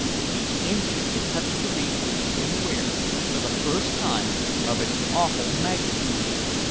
The instant it touched the reef we became aware, for the first time, of its awful magnitude.